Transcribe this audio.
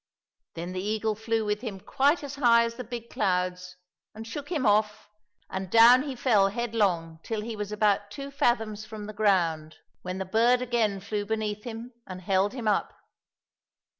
Then the eagle flew with him quite as high as the big clouds, and shook him off, and down he fell headlong till he was about two fathoms from the Q 241 COSSACK FAIRY TALES ground, when the bird again flew beneath him and held him up.